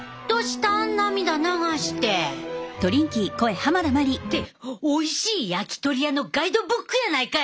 涙流して。っておいしい焼き鳥屋のガイドブックやないかい！